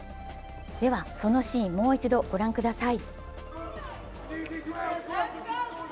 では、そのシーンもう一度ご覧ください。